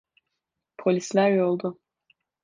Polisler yolda.